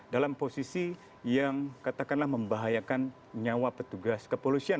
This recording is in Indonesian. dalam posisi yang katakanlah membahayakan nyawa petugas kepolisian